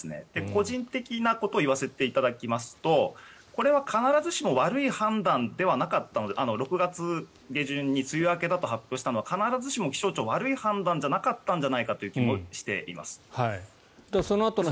個人的なことを言わせていただきますとこれは必ずしも悪い判断ではなかった６月下旬に梅雨明けだと発表したのは必ずしも気象庁悪い判断じゃなかったのではという気がしています。